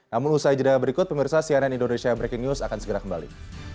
namun usai jeda berikut pemirsa cnn indonesia breaking news akan segera kembali